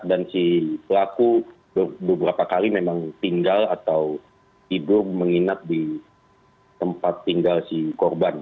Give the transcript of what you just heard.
dan si pelaku beberapa kali memang tinggal atau tidur menginap di tempat tinggal si korban